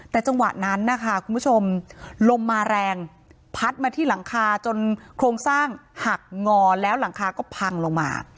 แต่จังหวะนั้นนะคะคุณผู้ชมลมมาแรงพัดมาที่หลังคาจนโครงสร้างหักงอแล้วหลังคาก็พังลงมา